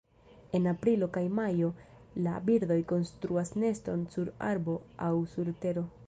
En aprilo kaj majo la birdoj konstruas neston sur arbo aŭ sur tero.